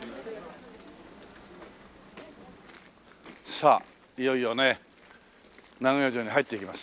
さあいよいよね名古屋城に入っていきます。